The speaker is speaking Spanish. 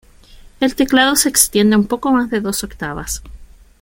El teclado se extiende a un poco más de dos octavas.